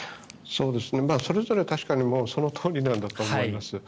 それぞれ確かにそのとおりなんだと思います。